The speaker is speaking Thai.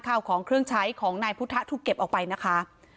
ข้าวของเครื่องใช้ของนายพุทธะถูกเก็บออกไปนะคะ